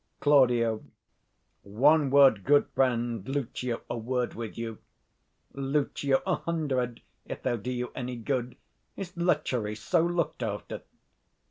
Claud. One word, good friend. Lucio, a word with you. 135 Lucio. A hundred, if they'll do you any good. Is lechery so look'd after?